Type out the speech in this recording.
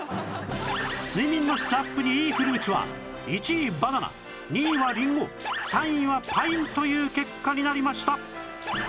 睡眠の質アップにいいフルーツは１位バナナ２位はりんご３位はパインという結果になりました